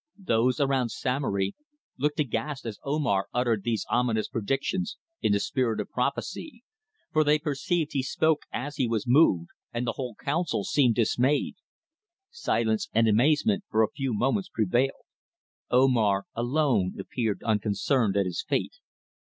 Those around Samory looked aghast as Omar uttered these ominous predictions in the spirit of prophecy, for they perceived he spoke as he was moved, and the whole council seemed dismayed. Silence and amazement for a few moments prevailed. Omar alone appeared unconcerned at his fate.